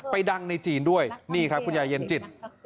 ดังในจีนด้วยนี่ครับคุณยายเย็นจิต